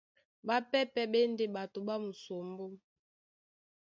Ɓápɛ́pɛ̄ ɓá e ndé ɓato ɓá musombó.